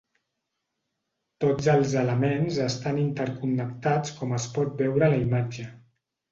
Tots els elements estan interconnectats com es pot veure a la imatge.